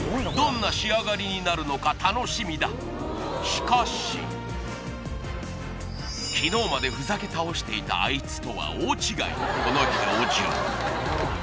しかし昨日までふざけ倒していたあいつとは大違いこの表情